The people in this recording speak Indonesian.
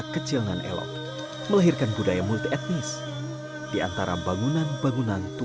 kisah dari tanah minang